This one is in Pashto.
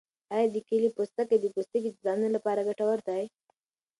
آیا د کیلې پوستکی د پوستکي د دانو لپاره ګټور دی؟